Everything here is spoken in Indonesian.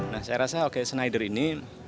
nah saya rasa oke snider ini